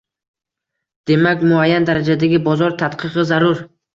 — Demak, muayyan darajadagi bozor tadqiqi zarur?